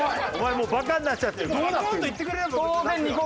もうバカになっちゃってるから。